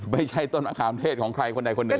ไม่ใช่ต้นมะขามเทศของใครคนใดคนหนึ่ง